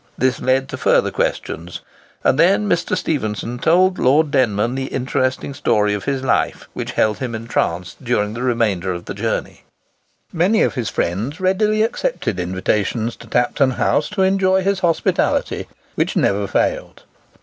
This led to further questions, and then Mr. Stephenson told Lord Denman the interesting story of his life, which held him entranced during the remainder of the journey. Many of his friends readily accepted invitations to Tapton House to enjoy his hospitality, which never failed.